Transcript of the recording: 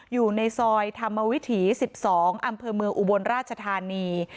อยู่ในซอยธรรมวิถี๑๒อำเภอเมืองอุบลราชธานี